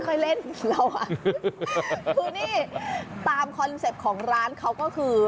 ค่อยเล่นเราคูณี้ตามเอาใบของร้านเขาก็คือ